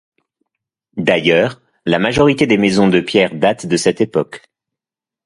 D'ailleurs, la majorité des maisons de pierre date de cette époque.